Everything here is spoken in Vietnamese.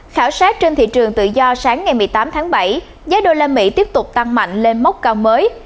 khảo sát trên thị trường tự do sáng ngày một mươi tám tháng bảy giá usd tiếp tục tăng mạnh lên mốc cao mới